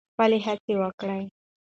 خپلې هڅې وکړئ.